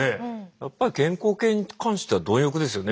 やっぱり健康系に関しては貪欲ですよね